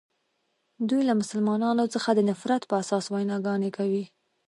دوی له مسلمانانو څخه د نفرت په اساس ویناګانې کوي.